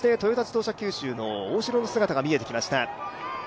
トヨタ自動車九州の大城の姿も見えてきました。